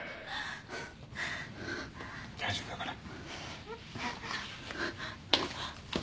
大丈夫だから。